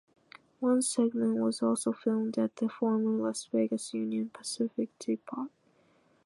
One segment was also filmed at the former Las Vegas Union Pacific Depot.